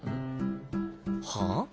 はあ？